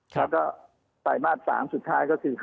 แล้วก็ปลายมาตร๓สุดท้ายก็คือ๕